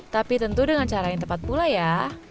tapi tentu dengan cara yang tepat pula ya